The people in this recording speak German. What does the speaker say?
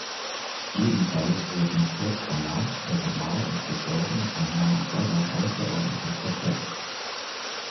Jedenfalls wurden kurz danach Personal und Versorgung von Mount Weather außerordentlich verstärkt.